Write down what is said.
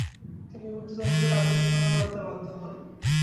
তিনি ঊর্ধ্বতনদের আদেশনামা মানতে বাধ্য হন।